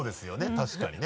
確かにね。